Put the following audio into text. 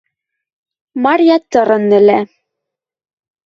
Марья тырын ӹлӓ